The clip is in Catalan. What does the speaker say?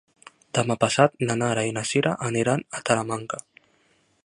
Demà passat na Nara i na Sira aniran a Talamanca.